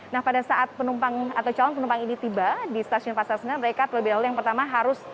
nah pada saat penumpang atau calon penumpang ini tiba di stasiun pasar senen mereka terlebih dahulu yang pertama harus